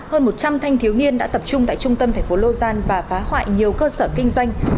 hơn một trăm linh thanh thiếu niên đã tập trung tại trung tâm thành phố logal và phá hoại nhiều cơ sở kinh doanh